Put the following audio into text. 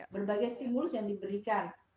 berbagai stimulus yang diberikan